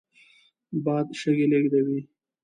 باد شګې لېږدوي